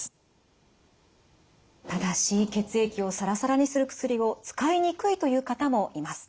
ただし血液をさらさらにする薬を使いにくいという方もいます。